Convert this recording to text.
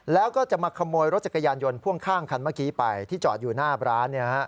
แล้วก็จะมาขโมยรถจักรยานยนต์พ่วงข้างคันเมื่อกี้ไปที่จอดอยู่หน้าร้าน